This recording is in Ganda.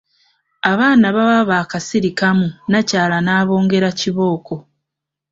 Abaana baba baakasirikamu nnakyala n’abongera kibooko.